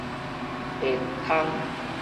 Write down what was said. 會通